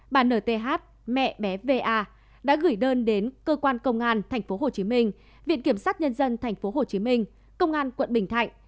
bà nth mẹ bé va đã gửi đơn đến cơ quan công an tp hcm viện kiểm sát nhân dân tp hcm công an quận bình thạnh